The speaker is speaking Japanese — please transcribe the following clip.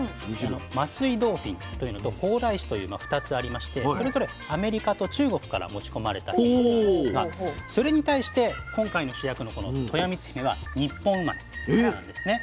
桝井ドーフィンというのと蓬莱柿という２つありましてそれぞれアメリカと中国から持ち込まれたということなんですがそれに対して今回の主役のこのとよみつひめは日本生まれになるんですね。